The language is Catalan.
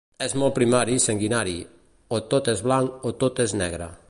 És molt primari i sanguini: o tot és blanc o tot és negre.